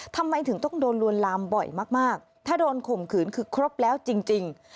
ทำไมถึงต้องโดนลวนลามบ่อยมากถ้าโดนข่มขืนคือครบแล้วจริง